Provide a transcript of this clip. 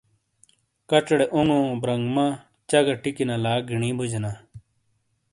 کچیڑے اونگو ، برانگمہ ،چاہ گہ ٹِیکی نَلا گِینی بوجینا ۔